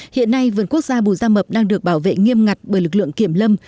hiện nay vườn quốc gia bù gia mập đang được bảo vệ nghiêm ngặt bởi lực lượng kiểm lâm